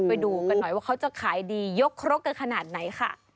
ไปดูกันหน่อยว่าเขาจะขายดียกครกกันขนาดไหนค่ะ